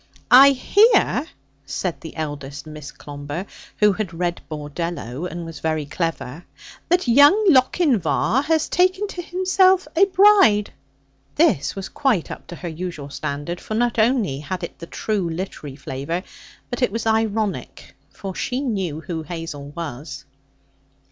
'I hear,' said the eldest Miss Clomber, who had read Bordello and was very clever, 'that young Lochinvar has taken to himself a bride.' This was quite up to her usual standard, for not only had it the true literary flavour, but it was ironic, for she knew who Hazel was.